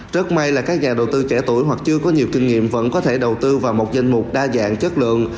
rất may là các nhà đầu tư trẻ tuổi hoặc chưa có nhiều kinh nghiệm vẫn có thể đầu tư vào một danh mục đa dạng chất lượng